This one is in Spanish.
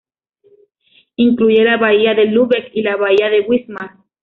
Incluye la bahía de Lübeck y la bahía de Wismar.